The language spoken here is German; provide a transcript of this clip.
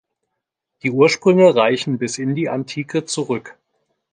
Die Ursprünge reichen bis in die Antike zurück.